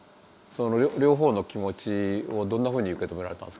その両方の気持ちをどんなふうに受け止められたんですか？